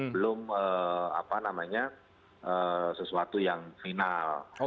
belum apa namanya sesuatu yang final